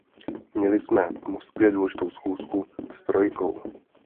Měli jsme v Moskvě důležitou schůzku s trojkou.